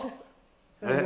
えっ？